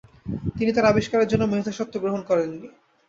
তিনি তার আবিষ্কারের জন্য মেধাস্বত্ত্ব গ্রহণ করেননি।